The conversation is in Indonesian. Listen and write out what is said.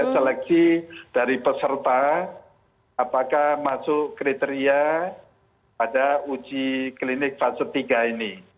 seleksi dari peserta apakah masuk kriteria pada uji klinik fase tiga ini